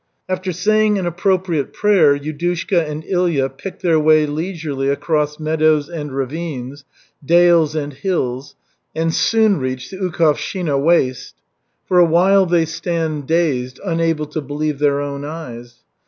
After saying an appropriate prayer, Yudushka and Ilya pick their way leisurely across meadows and ravines, dales and hills, and soon reach the Ukhovshchina waste. For a while they stand dazed, unable to believe their own eyes.